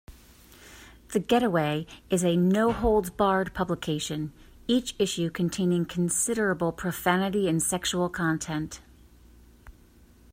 The "Getaway" is a no-holds-barred publication, each issue containing considerable profanity and sexual content.